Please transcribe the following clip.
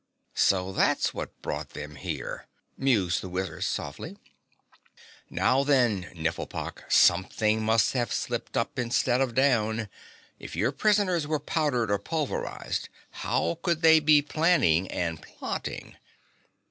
So that's what brought them here?" mused the wizard softly. "Now, then, Nifflepok, something must have slipped up instead of down. If your prisoners were powdered or pulverized, how could they be planning and plotting?"